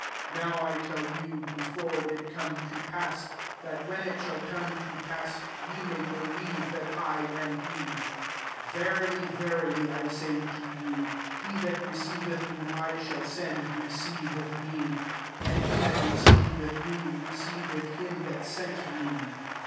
19 Now I tell you, before it come to pass, that, when it shall come to pass, ye xsi^ believe that I am he, 20 V«ily, verily, I say to you, He tkut receiveth whom i shall s^od, receiveth mo; and he that ro^veth me, receiveth him that sent me."